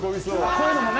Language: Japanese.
こういうのもね。